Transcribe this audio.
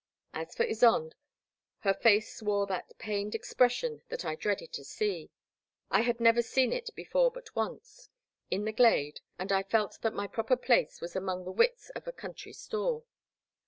As for Ysonde, her face wore that pained expression" that I dreaded to see — I had never seen it before but once — ^in the glade — and I felt that my proper place was among the wits of a country store.